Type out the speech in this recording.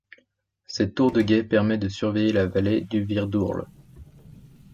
Cette tour de guet permet de surveiller la vallée du Vidourle.